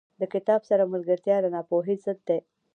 • د کتاب سره ملګرتیا، د ناپوهۍ ضد دی.